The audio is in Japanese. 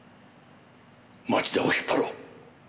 町田を引っ張ろう。